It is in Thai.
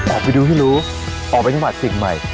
ออกไปดูให้รู้ออกไปจังหวัดสิ่งใหม่